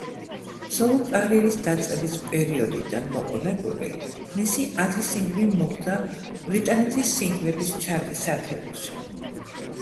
სოლო-კარიერის დაწყების პერიოდიდან მოყოლებული, მისი ათი სინგლი მოხვდა ბრიტანეთის სინგლების ჩარტის ათეულში.